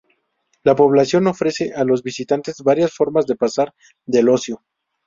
La población ofrece a los visitantes varias formas de pasar de ocio.